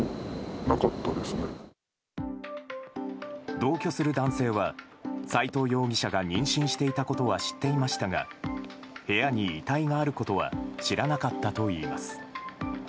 同居する男性は斎藤容疑者が妊娠していたことは知っていましたが部屋に遺体があることは知らなかったといいます。